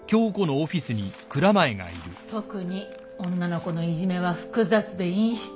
特に女の子のいじめは複雑で陰湿。